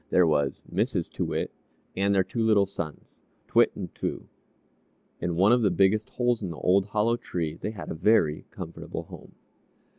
There was Mrs. Too Wit, and their two little sons, T'wit and T'woo. In one of the biggest holes in the old hollow tree they had a very comfortable home.